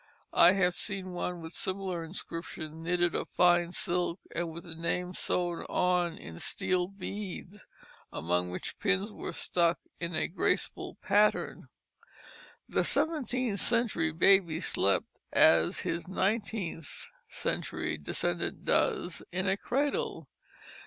I have seen one with similar inscription knitted of fine silk and with the name sewed on in steel beads, among which pins were stuck in a graceful pattern. [Illustration: Indian Cradle] The seventeenth century baby slept, as his nineteenth century descendant does, in a cradle.